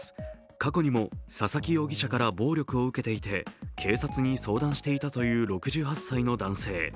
過去にも佐々木容疑者から暴力を受けていて警察に相談していたという６８歳の男性。